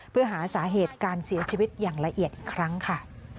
เพื่อหาสาเหตุการเสียชีวิตอย่างละเอียดอีกครั้งค่ะ